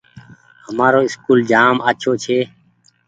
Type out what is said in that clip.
همآرو اسڪول جآم آڇو ڇي۔